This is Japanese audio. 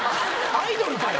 アイドルかよ！